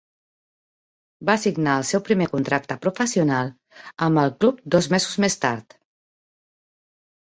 Va signar el seu primer contracte professional amb el club dos mesos més tard.